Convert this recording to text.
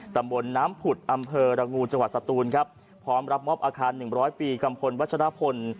ตำบลน้ำผุดอำเภอระงูจังหวัดสตูนครับพร้อมรับมอบอาคาร๑๐๐ปีกัมพลวัชรพล